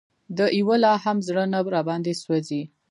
د یوه لا هم زړه نه راباندې سوزي